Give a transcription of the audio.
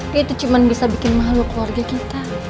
dia itu cuma bisa bikin mahal buat keluarga kita